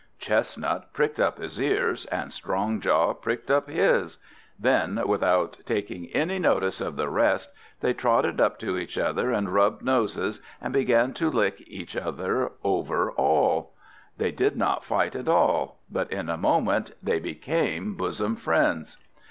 Chestnut pricked up his ears, and Strongjaw pricked up his; then, without taking any notice of the rest, they trotted up to each other and rubbed noses, and began to lick each other all over. They did not fight at all, but in a moment they became bosom friends.